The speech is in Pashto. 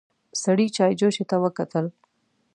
سړي چايجوشې ته وکتل.